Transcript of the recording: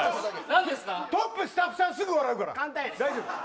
トップスタッフさんすぐ笑うから。